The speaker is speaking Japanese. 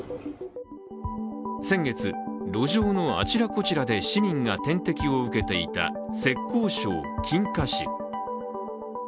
先月、路上のあちらこちらで市民が点滴を受けていた浙江省金華市。